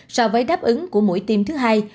so với đáp ứng của mũi tiêm thứ hai